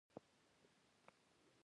دنیا خپل منطق لري.